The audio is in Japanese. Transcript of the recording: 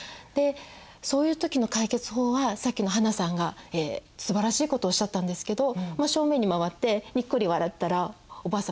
そういう時の解決法はさっきの英さんがすばらしいことをおっしゃったんですけど正面に回ってニッコリ笑ったらおばあ様